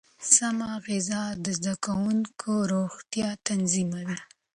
سمه غذا د زده کوونکو روغتیا تضمینوي.